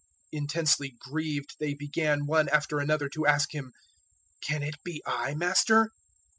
026:022 Intensely grieved they began one after another to ask Him, "Can it be I, Master?"